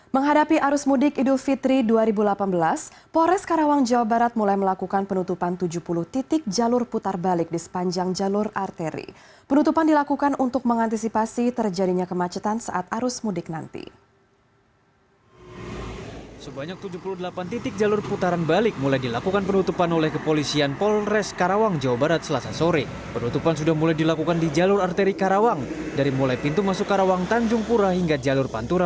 menghadapi arus mudik idul fitri dua ribu delapan belas polres karawang jawa barat mulai melakukan penutupan tujuh puluh titik jalur putar balik di sepanjang jalur arteri